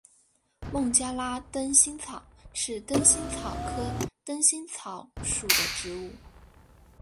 孟加拉灯心草是灯心草科灯心草属的植物。